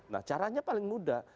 nah caranya paling mudah